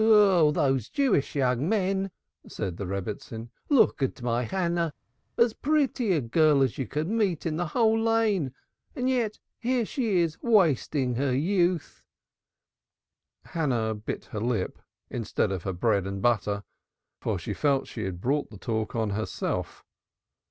"Oh, these Jewish young men!" said the Rebbitzin. "Look at my Hannah as pretty a girl as you could meet in the whole Lane and yet here she is wasting her youth." Hannah bit her lip, instead of her bread and butter, for she felt she had brought the talk on herself.